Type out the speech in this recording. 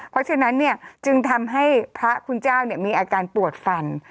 เพราะฉะนั้นจึงทำให้พระคุณเจ้ามีอาการปวดฟัน